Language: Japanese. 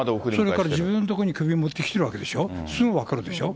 それから自分の所に首持ってきてるわけでしょ、すぐ分かるでしょう。